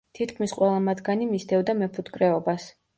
თითქმის ყველა მათგანი მისდევდა მეფუტკრეობას.